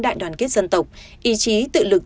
đại đoàn kết dân tộc ý chí tự lực